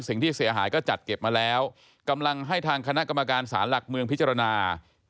สิ่งที่เสียหายก็จัดเก็บมาแล้วกำลังให้ทางคณะกรรมการศาลหลักเมืองพิจารณา